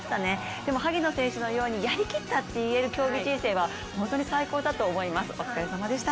でも、萩野選手のようにやりきったと言える競技人生は本当に最高だと思いますお疲れ様でした。